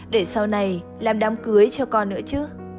để sau này làm đám cưới cho con nữa chứ